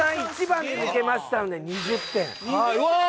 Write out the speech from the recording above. １番に抜けましたので２０点はいうわ